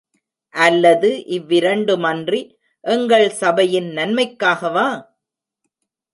அல்லது இவ்விரண்டுமன்றி எங்கள் சபையின் நன்மைக்காகவா?